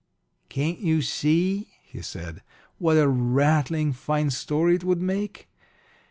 "Can't you see," he said, "what a rattling fine story it would make?